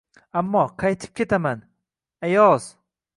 Ammo, qaytib ketaman… Ayoz…